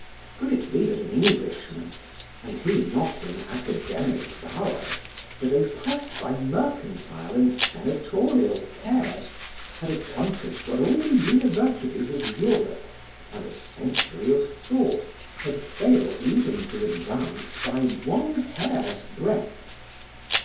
Could it be that an Englishman, and he not in academic bowers, but oppressed by mercantile and senatorial cares, had accomplished what all the universities of Europe and a century of thought had failed even to advance by one hair's breadth?